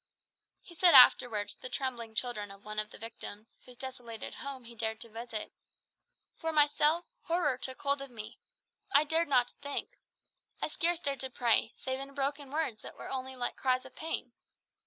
He said afterwards to the trembling children of one of the victims, whose desolated home he dared to visit, "For myself, horror took hold of me. I dared not to think. I scarce dared to pray, save in broken words that were only like cries of pain.